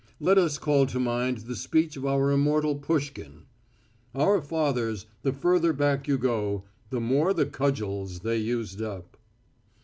Let us call to mind the speech of our immortal Pushkin: "'Our fathers, the further back you go, The more the cudgels they used up.'